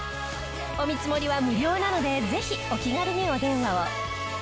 お見積もりは無料なのでぜひお気軽にお電話を。